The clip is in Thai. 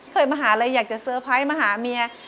เคยมาหาอะไรอยากจะเซอร์ไพรส์มาหาเมีย